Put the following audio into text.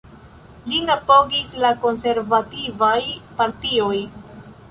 Lin apogis la konservativaj partioj.